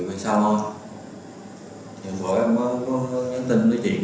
tuy nhiên hoàn toàn nhanh xa một lúc nhưng không chắc nha